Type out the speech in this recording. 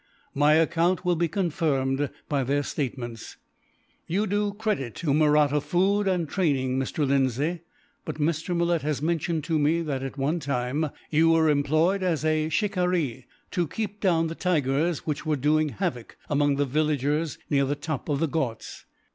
My account will be confirmed by their statements." "You do credit to Mahratta food and training, Mr. Lindsay; but Mr. Malet has mentioned to me that, at one time, you were employed as a shikaree, to keep down the tigers which were doing havoc among the villagers near the top of the Ghauts.